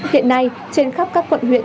hiện nay trên khắp các quận huyện